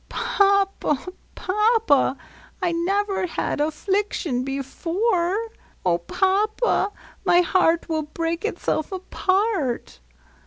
Papa ! Papa ! I never had a 'fliction before. Oh, Papa, my heart will break itself apart.